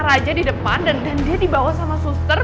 raja di depan dan dia dibawa sama suster